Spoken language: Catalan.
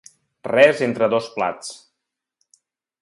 Res entre dos plats.